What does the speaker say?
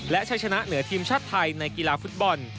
และใช้ชนะเหนือทีมชาติไทยในกีฬาฟุตบอล